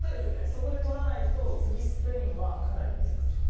そこで取らないと次スペインはかなり難しく。